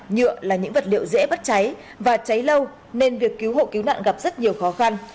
nhựa là những vật liệu dễ bắt cháy và cháy lâu nên việc cứu hộ cứu nạn gặp rất nhiều khó khăn